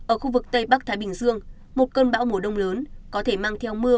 ở khu vực tây bắc thái bình dương một cơn bão mùa đông lớn có thể mang theo mưa